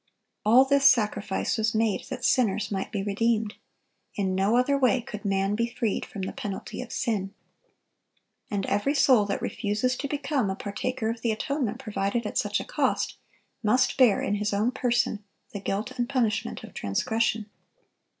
All this sacrifice was made that sinners might be redeemed. In no other way could man be freed from the penalty of sin. And every soul that refuses to become a partaker of the atonement provided at such a cost, must bear in his own person the guilt and punishment of transgression.